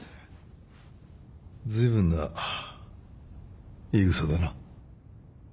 ずいぶんな言い草だな。